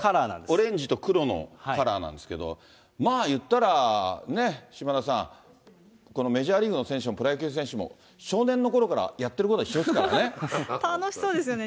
オレンジと黒のカラーなんですけど、まあ言ったら、ね、島田さん、このメジャーリーグの選手もプロ野球選手も少年のころからやって楽しそうですよね。